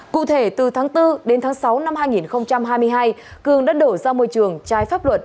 cụ thể từ tháng bốn đến tháng sáu năm hai nghìn hai mươi hai cường đã đổ ra môi trường trái pháp luật